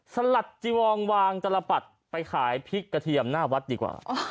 สลัดจีวองวางจรปัดไปขายพริกกระเทียมหน้าวัดดีกว่า